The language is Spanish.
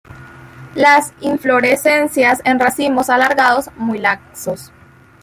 Las inflorescencias en racimos alargados, muy laxos.